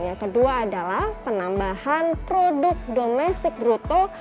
yang kedua adalah penambahan produk domestik bruto